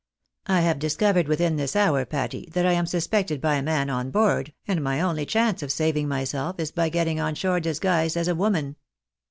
" I have discovered within this hour, Patty, that I am suspected by a man on board, and my only chance of saving myself, is by getting on shore disguised as a woman."